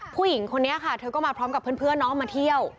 ผู้หญิงคนนี้ค่ะเธอก็มาพร้อมกับเพื่อนน้องมาเที่ยว